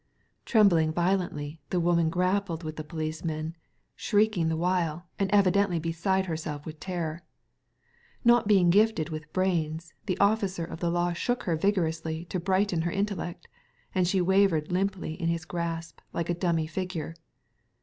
Trembling violently, the woman grappled with the policeman, shrieking the while, and evidently beside herself with terror. Not being gifted with brains, the officer of the law shook her vigorously to brighten her intellect ; and she wavered limply in his grasp like a dummy figure.